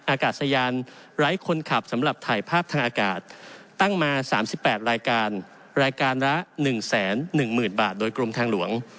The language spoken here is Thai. อากาศยานไร้คนขับสำหรับถ่ายภาพทางอากาศตั้งมา๓๘รายการรายการละ๑๑๐๐๐บาทโดยกรมทางหลวง